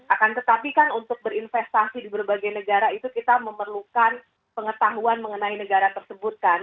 akan tetapi kan untuk berinvestasi di berbagai negara itu kita memerlukan pengetahuan mengenai negara tersebut kan